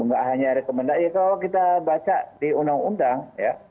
nggak hanya rekomendasi kalau kita baca di undang undang ya tiga puluh sembilan